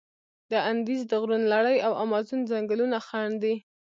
د اندیز د غرونو لړي او امازون ځنګلونه خنډ دي.